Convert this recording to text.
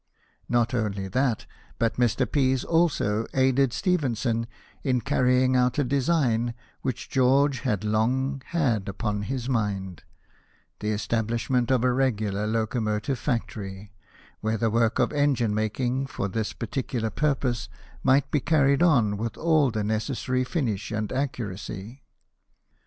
Not only that, but Mr, Pease also aided Stephenson in carrying out a design which George had long had upon his mind the estab lishment of a regular locomotive factory, where GEORGE STEPHENSON, ENGINE MAN. 51 the work of engine making for this particular purpose might be carried on with all the necessary finish and accuracy.